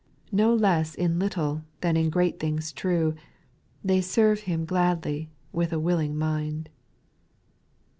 No less in little than in great things true, They serve Him gladly with a willing mind.